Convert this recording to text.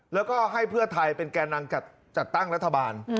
แล้วก็ให้เพื่อไทยเป็นแก่นำจัดตั้งรัฐบาล